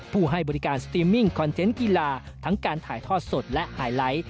ให้บริการสตรีมมิ่งคอนเทนต์กีฬาทั้งการถ่ายทอดสดและไฮไลท์